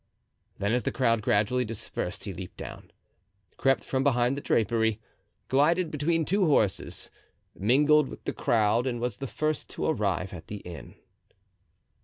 Then as the crowd gradually dispersed he leaped down, crept from behind the drapery, glided between two horses, mingled with the crowd and was the first to arrive at the inn.